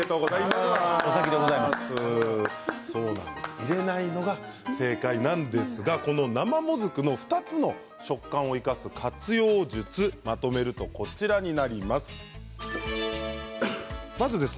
入れないのが正解なんですがこの生もずくの２つの食感を生かす活用術、まとめるとこちらになります。